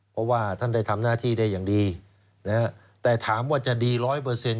เพราะว่าท่านได้ทำหน้าที่ได้อย่างดีนะฮะแต่ถามว่าจะดีร้อยเปอร์เซ็นต